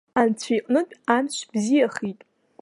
Анцәа иҟнытә, амш бзиахеит.